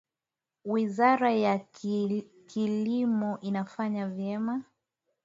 Wizara ya kilimo inafanya vyema